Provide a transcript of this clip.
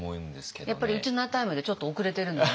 やっぱりウチナータイムでちょっと遅れてるのね。